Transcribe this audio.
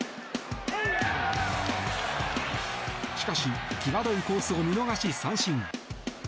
しかし、際どいコースを見逃し三振。